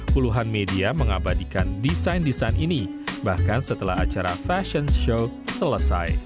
puluhan media mengabadikan desain desain ini bahkan setelah acara fashion show selesai